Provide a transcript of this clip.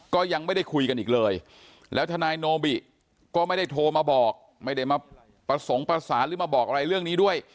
ก็ยังไม่ได้คุยกันอีกเลยแล้วทนายโนบิก็ไม่ได้โทรมาบอกไม่ได้มาประสงค์ประสานหรือมาบอกอะไรเรื่องนี้ด้วย